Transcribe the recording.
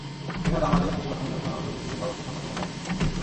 সেখানে বাংলাদেশ বেশির ভাগ সময়ই অনাহূত অতিথি, কিংবা হয়েছে সংখ্যা পূরণের নিমিত্ত।